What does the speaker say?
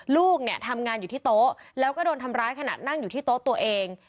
ลูกเนี่ยทำงานอยู่ที่โต๊ะแล้วก็โดนทำร้ายขณะนั่งอยู่ที่โต๊ะตัวเอง